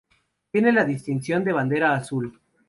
Tiene la distinción de Bandera Azul.